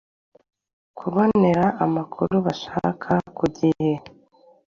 kubonera amakuru bashaka kugihe